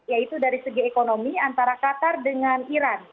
yaitu dari segi ekonomi antara qatar dengan iran